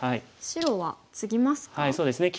白はツギますか？